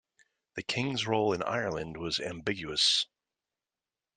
The King's role in Ireland was ambiguous.